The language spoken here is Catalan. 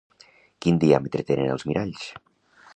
Quin diàmetre tenen els miralls?